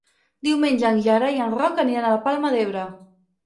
Diumenge en Gerai i en Roc aniran a la Palma d'Ebre.